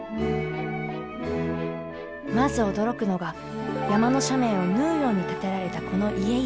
まず驚くのが山の斜面を縫うように建てられたこの家々。